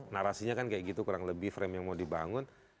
narasinya kan kayak gitu kurang lebih frame yang mau dibangun